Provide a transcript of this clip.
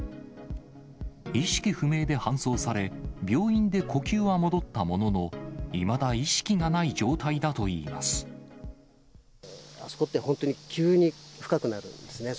意識不明で搬送され、病院で呼吸は戻ったものの、いまだ意識がない状態だといいまあそこって、本当に急に深くなるんですね。